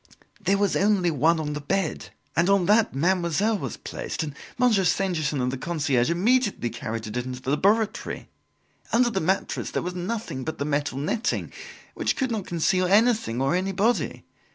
"There was only one on the bed, and on that Mademoiselle was placed; and Monsieur Stangerson and the concierge immediately carried it into the laboratory. Under the mattress there was nothing but the metal netting, which could not conceal anything or anybody.